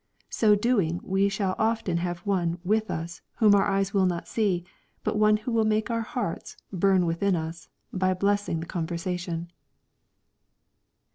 Sd doing we shall often have One with us whom our eyes will not see, but One who will make our hearts '^ burn within us' by blessing the conversation.